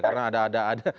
karena ada ada ada